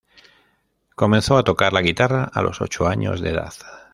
Comenzó a tocar la guitarra a los ocho años de edad.